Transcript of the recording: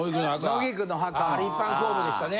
『野菊の墓』あれ一般公募でしたね。